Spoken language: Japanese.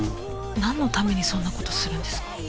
なんのためにそんな事するんですか？